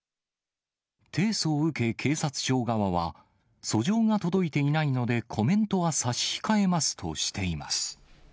提訴を受け警察庁側は、訴状が届いていないので、コメントは差し控えますとしています。